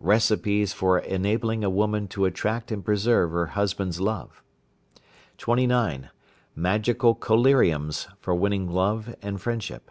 Recipes for enabling a woman to attract and preserve her husband's love. 29. Magical collyriums for winning love and friendship.